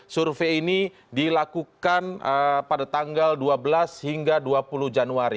survei ini dilakukan pada tanggal dua belas hingga dua puluh januari